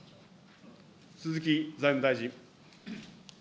鈴木財務大臣。